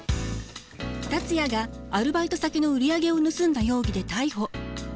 達也がアルバイト先の売り上げを盗んだ容疑で逮捕。